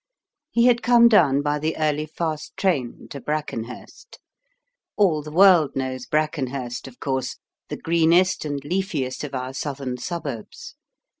He had come down by the early fast train to Brackenhurst. All the world knows Brackenhurst, of course, the greenest and leafiest of our southern suburbs.